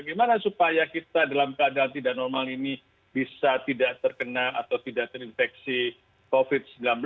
bagaimana supaya kita dalam keadaan tidak normal ini bisa tidak terkena atau tidak terinfeksi covid sembilan belas